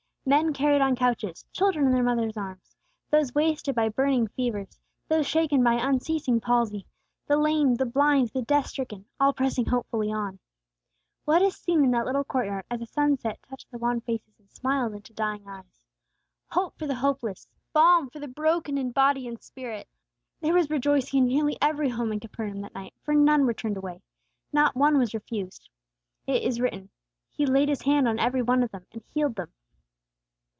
Men carried on couches; children in their mother's arms; those wasted by burning fevers; those shaken by unceasing palsy; the lame; the blind; the death stricken, all pressing hopefully on. What a scene in that little court yard as the sunset touched the wan faces and smiled into dying eyes. Hope for the hopeless! Balm for the broken in body and spirit! There was rejoicing in nearly every home in Capernaum that night, for none were turned away. Not one was refused. It is written, "He laid His hand on every one of them, and healed them."